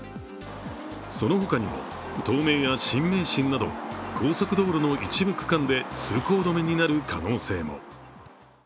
その他にも東名や新名神など高速道路の一部区間で通行止めになる可能性も。